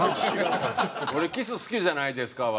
「俺キス好きじゃないですか」は。